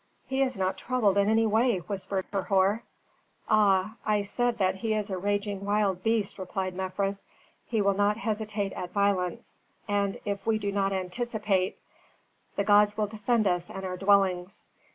"He is not troubled in any way," whispered Herhor. "Ah, I said that he is a raging wild beast," replied Mefres. "He will not hesitate at violence, and if we do not anticipate " "The gods will defend us and our dwellings."